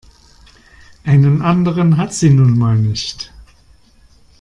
Einen anderen hat sie nun mal nicht.